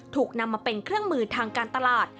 ถูกนำมาเป็นเครื่องมือทางการตลาด